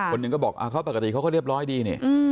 คนหนึ่งก็บอกเขาปกติเขาก็เรียบร้อยดีนี่